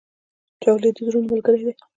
چاکلېټ د زړونو ملګری دی.